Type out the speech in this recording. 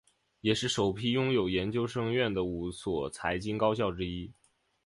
也是首批拥有研究生院的五所财经高校之一。